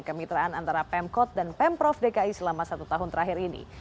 kemitraan antara pemkot dan pemprov dki selama satu tahun terakhir ini